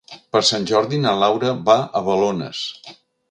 Per Sant Jordi na Laura va a Balones.